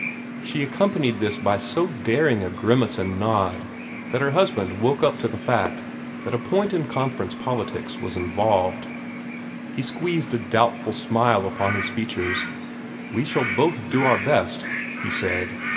She accompanied this by so daring a grimace and nod that her husband woke up to the fact that a point in Conference politics was involved. He squeezed a doubtful smile upon his features. "We shall both do our best," he said.